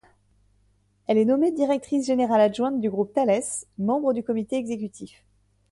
Elle est nommée directrice générale adjointe du groupe Thales, membre du comité exécutif.